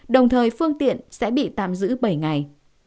đồng thời phương tiện sẽ bị tạm giữ bảy ngày